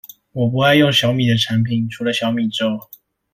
我不愛用小米的產品，除了小米粥